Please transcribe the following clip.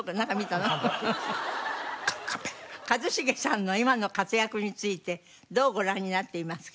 一茂さんの今の活躍についてどうご覧になっていますか？